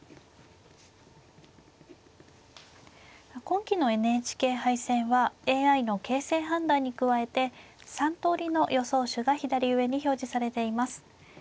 今期のＮＨＫ杯戦はＡＩの形勢判断に加えて３通りの予想手が左上に表示されています。